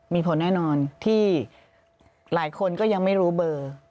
มีผลแน่นอนที่หลายคนก็ยังไม่รู้เบอร์